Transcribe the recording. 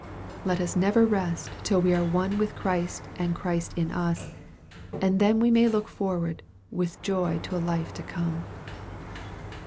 Let us never rest till we are one with Christ and Christ in us, and then we may look for ward with joy to a life to come.